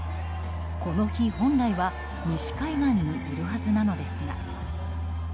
この日、本来は西海岸にいるはずなのですが。